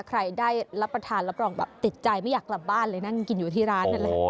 ใครได้รับประทานรับรองแบบติดใจไม่อยากกลับบ้านเลยนั่งกินอยู่ที่ร้านนั่นแหละ